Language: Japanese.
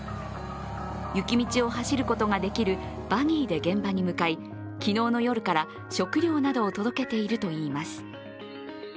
雪道を走ることができるバギーで現場に向かい、昨日の夜から食料などを届けているといいます。